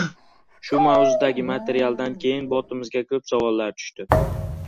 Shu mavzudagi materialdan keyin botimizga koʻp savollar tushdi.